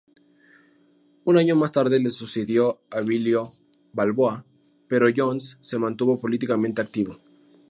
Un año más tarde le sucedió Abilio Balboa, pero Jones se mantuvo políticamente activo.